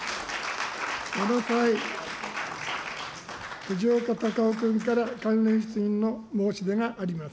藤岡隆雄君から関連質疑の申し出があります。